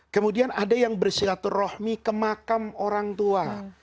kemudian ada yang bersilaturrohmi ke makam orang tua